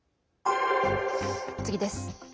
次です。